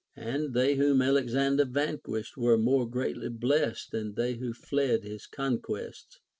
And they whom Alexander vanquished were more greatly blessed than the}' Λνΐιο fled his conquests.